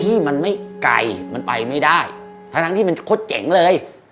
ที่มันไม่ไกลมันไปไม่ได้ทั้งทั้งที่มันคดเจ๋งเลย